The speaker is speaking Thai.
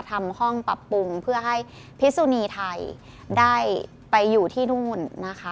ทำห้องปรับปรุงเพื่อให้พิสุนีไทยได้ไปอยู่ที่นู่นนะคะ